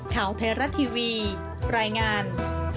ข่าวไทยรัฐทีวีรายงาน